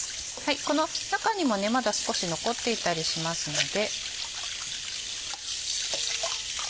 この中にもまだ少し残っていたりしますので。